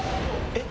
えっ？